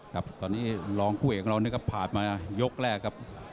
ครับตอนนี้รองคู่เอกของเรานี่ก็ผ่านมายกแรกครับ